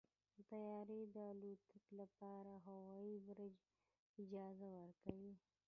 د طیارې د الوت لپاره هوايي برج اجازه ورکوي.